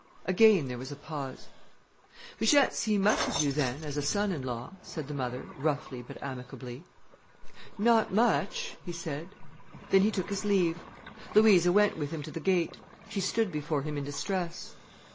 Again there was a pause. "We shan't see much of you then, as a son in law," said the mother, roughly but amicably. "Not much," he said. Then he took his leave. Louisa went with him to the gate. She stood before him in distress.